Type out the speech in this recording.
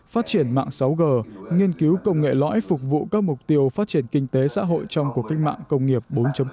phát triển mạng sáu g nghiên cứu công nghệ lõi phục vụ các mục tiêu phát triển kinh tế xã hội trong cuộc kinh mạng công nghiệp bốn